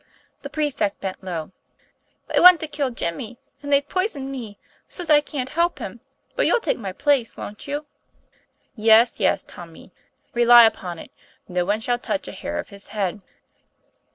The prefect bent low. "They want to kill Jimmy, and they've poisoned me, so's I can't help him; but you'll take my place, won't you ?" "Yes, yes, Tommy; rely upon it, no one shall touch a hair of his head."